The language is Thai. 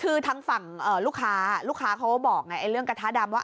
คือทางฝั่งลูกค้าลูกค้าเขาก็บอกไงเรื่องกระทะดำว่า